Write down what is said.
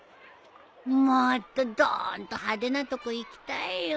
もっとどーんと派手なとこ行きたいよ。